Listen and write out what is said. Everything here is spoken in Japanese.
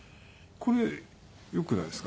これよくないですか？